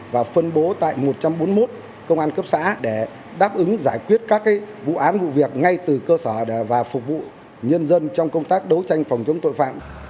và phân bố tại một trăm bốn mươi một công an cấp xã để đáp ứng giải quyết các vụ án vụ việc ngay từ cơ sở và phục vụ nhân dân trong công tác đấu tranh phòng chống tội phạm